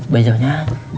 bây giờ nhá